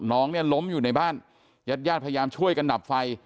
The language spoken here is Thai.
น้องเนี่ยล้มอยู่ในบ้านญาติญาติพยายามช่วยกันดับไฟ